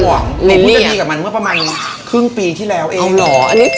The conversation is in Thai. มันก็อยู่บีกับมันเมื่อประมาณคึ้งปีที่แล้วเองแหงเนี่ยเสริฟะ